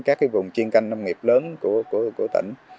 các vùng chiên canh nông nghiệp lớn của tỉnh